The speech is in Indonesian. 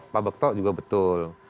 pak bekto juga betul